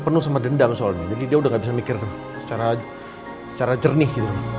assalamualaikum warahmatullahi wabarakatuh